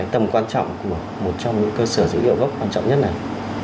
tầm quan trọng của một trong những cơ sở dữ liệu gốc quan trọng nhất này